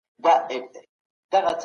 جهل د تيارې په شان دی.